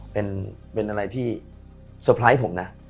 เป็นอะไรที่สุดสนใจผมนะ